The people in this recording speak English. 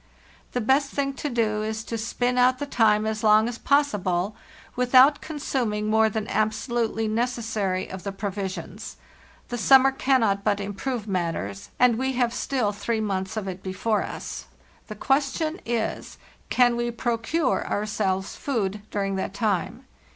The best thing to do is to spin out the time as long as possible without consuming more than abso lutely necessary of the provisions; the summer cannot but improve matters, and we have still three months of it before us. The question is, can we procure our selves food during that time?